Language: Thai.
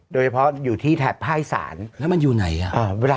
โดยเฉพาะอยู่ที่แททฟ่ายศาล